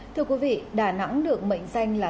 thưa quý vị đà nẵng được mệnh danh là